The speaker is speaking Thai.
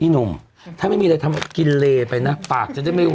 หนุ่มถ้าไม่มีอะไรทำกินเลไปนะปากจะได้ไม่